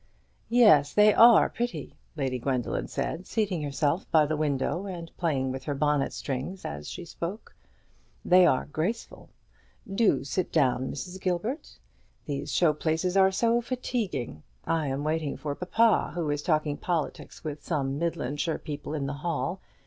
"Yes, they are pretty." Lady Gwendoline said, seating herself by the window, and playing with her bonnet strings as she spoke; "they are very graceful. Do sit down, Mrs. Gilbert; these show places are so fatiguing. I am waiting for papa, who is talking politics with some Midlandshire people in the hall.